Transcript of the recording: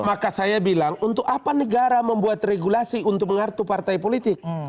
maka saya bilang untuk apa negara membuat regulasi untuk mengartu partai politik